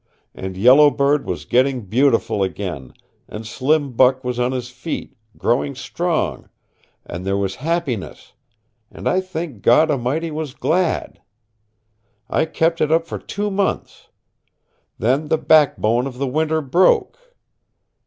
And Yellow Bird was getting beautiful again, and Slim Buck was on his feet, growing strong, and there was happiness and I think God A'mighty was glad. I kept it up for two months. Then the back bone of the winter broke.